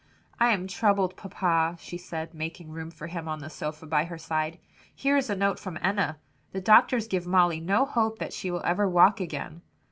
"I am troubled, papa," she said, making room for him on the sofa by her side. "Here is a note from Enna. The doctors give Molly no hope that she will ever walk again.